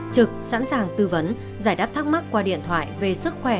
trực sẵn sàng tư vấn giải đáp thắc mắc qua điện thoại về sức khỏe